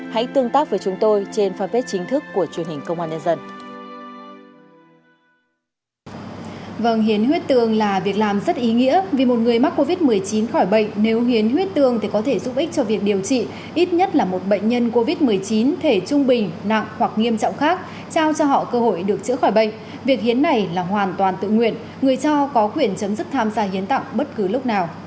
hãy tương tác với chúng tôi trên fanpage chính thức của truyền hình công an nhân dân